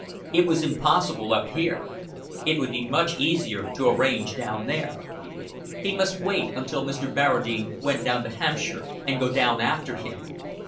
It was impossible up here. It would be much easier to arrange down there. He must wait until Mr. Barradine went down to Hampshire, and go down after him.